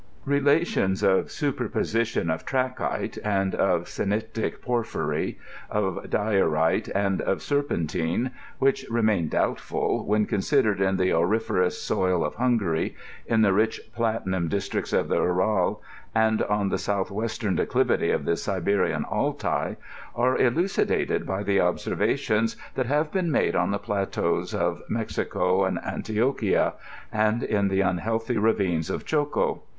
Relations of superposition of trachjTte and of syenitio porphyry, of diorite and of serpentme, which lemain doubtful when con^dered in the auriferous soil of Hungary, in the rich platinum districts of the Oural, and on the south western declivity of the Siberian Altai', axe elucidated by the observation^ that have been made on the plateaux of Mexico and Antioquia, and in Ihe unhealthy ravines of Choco.